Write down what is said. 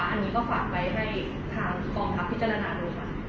อันนี้ก็ฝากให้ทางความทัพพิจารณาการ